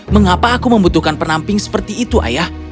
mengapa aku membutuhkan penamping seperti itu ayah